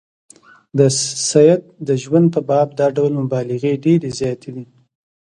د سید د ژوند په باب دا ډول مبالغې ډېرې زیاتې دي.